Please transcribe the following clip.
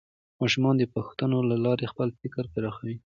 ماشومان د پوښتنو له لارې خپل فکر پراخوي